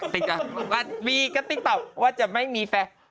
ติ๊กต๊อกว่าวีก็ติ๊กต๊อกว่าจะไม่มีแฟน